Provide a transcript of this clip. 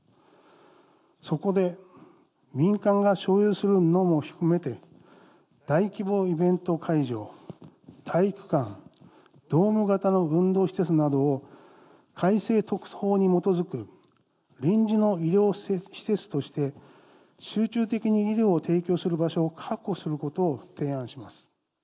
そこで、民間が所有するのも含めて、大規模イベント会場、体育館、ドーム型の運動施設などを、改正特措法に基づく臨時の医療施設として、集中的に医療を提供する場所を確保することを提案します。